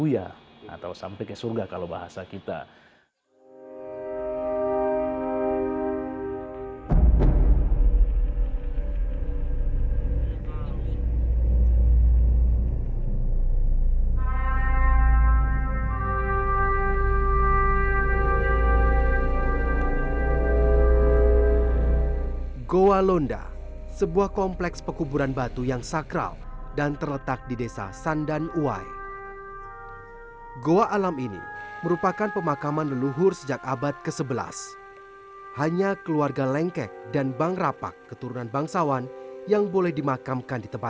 ya masuk ke puya atau sampai ke surga kalau bahasa kita